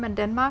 và đài loan